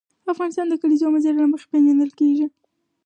افغانستان د د کلیزو منظره له مخې پېژندل کېږي.